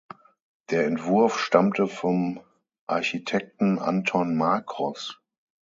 Der Entwurf stammte vom Architekten Anton Makros.